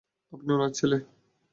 আপনি ওনার ছেলে?